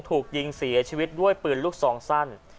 ถูกยิงเสียชีวิตด้วยปืนลูกซองสั้น